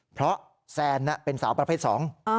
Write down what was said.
เพราะแซนเป็นสาวประเภทสอง